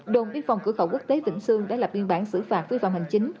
đồn biên phòng cửa khẩu quốc tế bình xương đã là biên bản xử phạt vi phạm hành chính